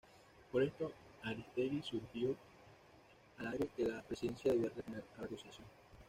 Por esto, Aristegui sugirió al aire que la Presidencia debía responder a la acusación.